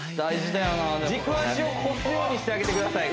軸足を越すようにしてあげてください